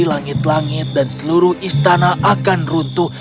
langit langit dan seluruh istana akan runtuh